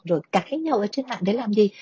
rồi cãi nhau ở trên mạng để làm gì